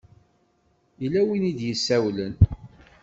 Yella win i d-yessawlen.